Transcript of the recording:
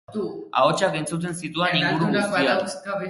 Ahotsak entzuten zituan inguru guztian.